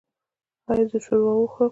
ایا زه شوروا وخورم؟